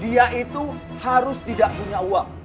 dia itu harus tidak punya uang